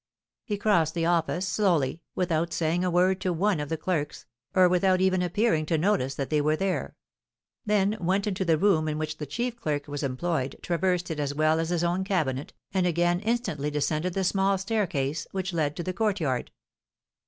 He crossed the office slowly, without saying a word to one of the clerks, or without even appearing to notice that they were there; then went into the room in which the chief clerk was employed, traversed it as well as his own cabinet, and again instantly descended the small staircase which led to the courtyard.